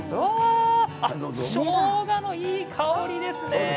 しょうがのいい香りですね。